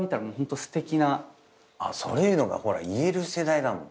そういうのがほら言える世代だもん。